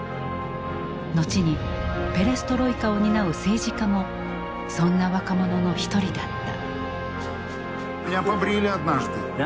後にペレストロイカを担う政治家もそんな若者の一人だった。